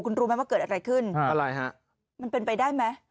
คุณรู้ไหมว่าเกิดอะไรขึ้นอะไรฮะมันเป็นไปได้ไหม